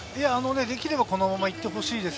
できればこのままいってほしいです。